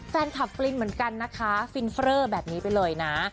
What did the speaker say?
แฟนคลับฟินเหมือนกันนะคะฟินเฟร่อแบบนี้ไปเลยนะ